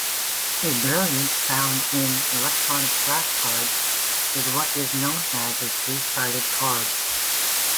A variant, found in electronic flashcards, is what is known as a three-sided card.